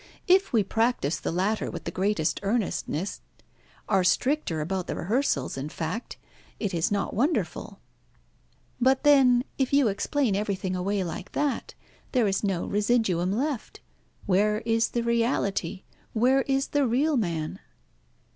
If we practise the latter with the greatest earnestness, are stricter about the rehearsals, in fact, it is not wonderful." "But then, if you explain everything away like that, there is no residuum left. Where is the reality? Where is the real man?"